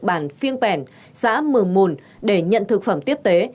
bản phiêng bẻn xã mờ mồn để nhận thực phẩm tiếp tế